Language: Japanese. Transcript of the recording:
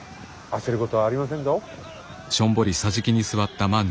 焦ることはありませんぞ。